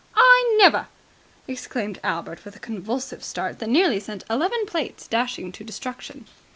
"I never!" exclaimed Albert with a convulsive start that nearly sent eleven plates dashing to destruction.